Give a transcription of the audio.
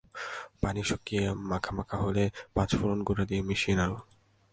পানি শুকিয়ে মাখা মাখা হলে পাঁচফোড়ন গুঁড়া দিয়ে মিশিয়ে নাড়ুন।